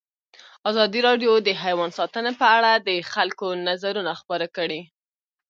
ازادي راډیو د حیوان ساتنه په اړه د خلکو نظرونه خپاره کړي.